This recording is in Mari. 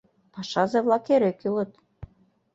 Пашазе-влак эре кӱлыт.